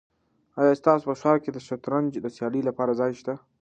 آیا ستاسو په ښار کې د شطرنج د سیالیو لپاره ځای شته؟